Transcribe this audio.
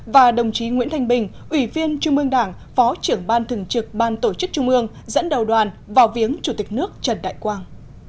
và đồng chí nguyễn thanh bình ủy viên trung ương đảng phó trưởng ban thường trực ban tổ chức trung ương dẫn đầu đoàn vào viếng chủ tịch nước trần đại quang